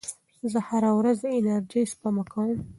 زه هره ورځ د انرژۍ سپما کوم.